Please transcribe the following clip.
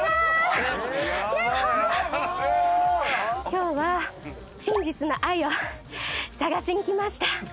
今日は真実の愛を探しに来ました。